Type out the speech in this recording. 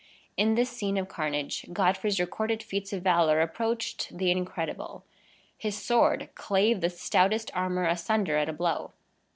In this scene of carnage, Godfrey's recorded feats of valor approached the incredible. His sword clave the stoutest armor asunder at a blow.